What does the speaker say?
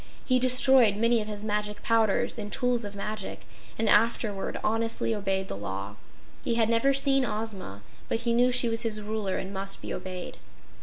He destroyed many of his magic powders and tools of magic, and afterward honestly obeyed the law. He had never seen Ozma, but he knew she was his Ruler and must be obeyed.